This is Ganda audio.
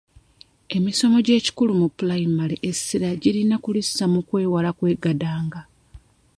Emisomo gy'ekikulu mu pulayimale essira girina kulissa ku kwewala okwegadanga.